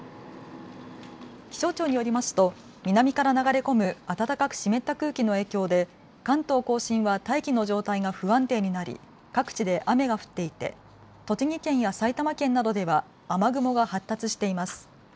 気象庁によりますと南から流れ込む暖かく湿った空気の影響で関東甲信は大気の状態が不安定になり各地で雨が降っていて栃木県や埼玉県などでは雨雲が発達しています。